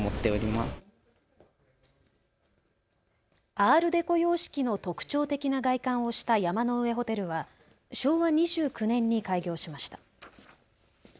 アールデコ様式の特徴的な外観をした山の上ホテルは昭和２９年に開業しました。